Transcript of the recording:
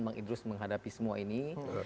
bang idrus menghadapi semua ini